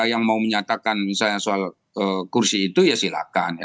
yang mau menyatakan misalnya soal kursi itu ya silakan